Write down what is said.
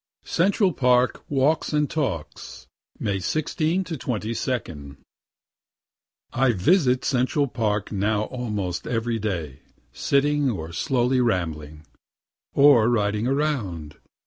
CENTRAL PARK WALKS AND TALKS May 16 to 22. I visit Central Park now almost every day, sitting, or slowly rambling, or riding around.